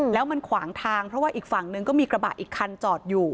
แล้วมันขวางทางเพราะว่าอีกฝั่งนึงก็มีกระบะอีกคันจอดอยู่